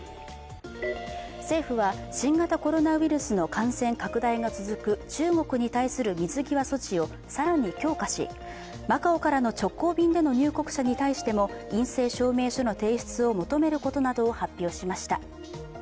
政府は新型コロナウイルスの感染拡大が続く中国に対する水際措置を更に強化し、マカオからの直行便での入国者に対しても陰性証明書の提出を求めることなどを発表しました。